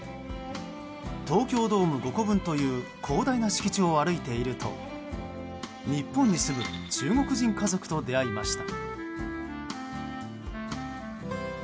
東京ドーム５個分という広大な敷地を歩いていると日本に住む中国人家族と出会いました。